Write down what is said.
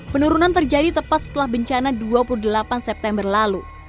penurunan terjadi tepat setelah bencana dua puluh delapan september lalu